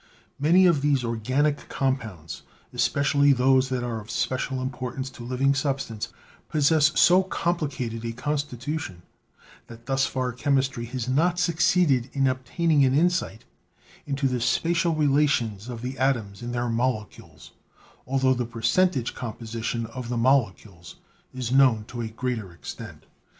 Many of these organic compounds, especially those that are of special importance to living substance, possess so complicated a constitution that thus far chemistry has not succeeded in obtaining an insight into the spatial rela tions of the atoms in their molecules, altho the percentage composition of the molecules is known to a greater extent.